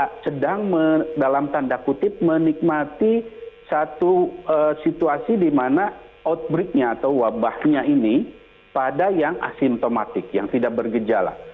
karena kita sedang dalam tanda kutip menikmati satu situasi di mana outbreaknya atau wabahnya ini pada yang asimptomatik yang tidak bergejala